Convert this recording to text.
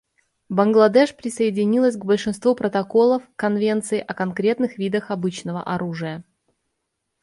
Бангладеш присоединилась к большинству протоколов к Конвенции о конкретных видах обычного оружия.